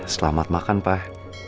selamat makan pak